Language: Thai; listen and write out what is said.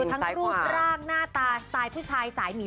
ทั้งรูปรากหน้าตาสไตล์ประเทศผู้ชายสายหมี